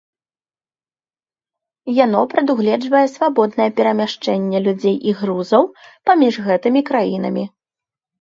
Яно прадугледжвае свабоднае перамяшчэнне людзей і грузаў паміж гэтымі краінамі.